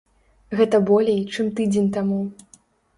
Гэта болей, чым тыдзень таму.